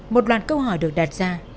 một loạt câu hỏi được đặt ra